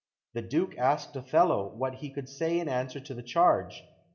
The Duke asked Othello what he could say in answer to the charge.